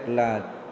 đặc biệt là